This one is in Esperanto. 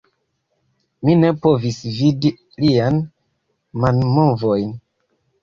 Mi ne povis vidi lian manmovojn